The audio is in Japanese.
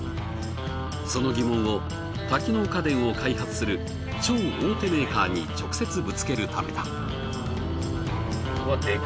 その疑問を多機能家電を開発する超大手メーカーに直接ぶつけるためだ。